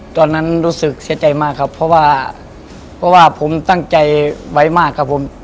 ตอนนั้นรู้สึกเสียใจมากเพราะว่าผมตั้งใจไว้มากครับผม